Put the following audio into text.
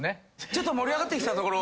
ちょっと盛り上がってきたところ。